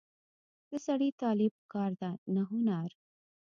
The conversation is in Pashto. د سړي طالع په کار ده نه هنر.